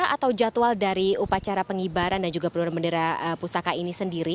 atau jadwal dari upacara pengibaran dan juga penurunan bendera pusaka ini sendiri